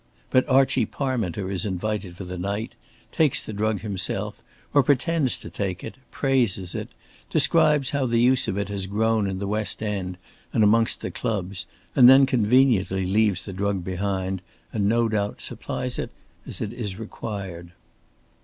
But Archie Parminter is invited for the night, takes the drug himself, or pretends to take it, praises it, describes how the use of it has grown in the West End and amongst the clubs, and then conveniently leaves the drug behind, and no doubt supplies it as it is required.